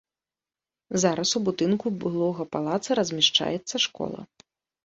Зараз у будынку былога палаца размяшчацца школа.